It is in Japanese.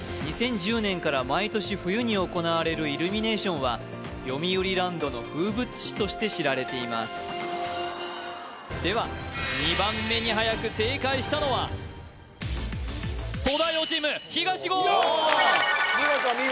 ２０１０年から毎年冬に行われるイルミネーションはよみうりランドの風物詩として知られていますでは２番目にはやく正解したのは東大王チーム東言よし！